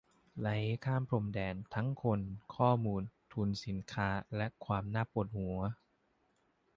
ไหลข้ามพรมแดน ทั้งคน ข้อมูล ทุน สินค้า และความน่าปวดหัว